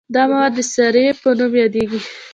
دا مواد د سرې په نوم یادیږي.